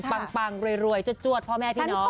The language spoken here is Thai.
ปังรวยจวดพ่อแม่พี่น้อง